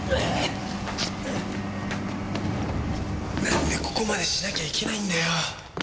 なんでここまでしなきゃいけないんだよ。